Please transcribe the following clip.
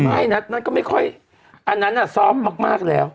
ไม่นะนั่นก็ไม่ค่อยอันนั้นน่ะซอฟต์มากแล้ว